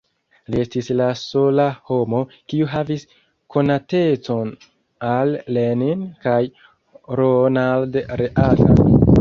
Li estis la sola homo, kiu havis konatecon al Lenin kaj Ronald Reagan.